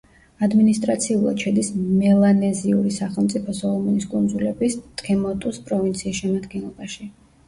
ადმინისტრაციულად შედის მელანეზიური სახელმწიფო სოლომონის კუნძულების ტემოტუს პროვინციის შემადგენლობაში.